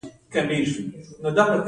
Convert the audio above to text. د ځنګلي ونو پیوندول ګټه لري؟